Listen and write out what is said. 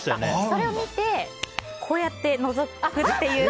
それを見てこうやってのぞくっていう。